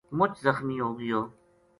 مُچ زخمی ہو گیو